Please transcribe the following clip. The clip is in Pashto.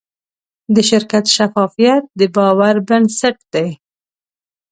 د شرکت شفافیت د باور بنسټ دی.